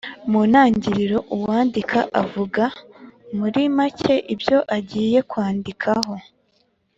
Mu ntangiriro uwandika avuga muri make ibyo agiye kwandikaho.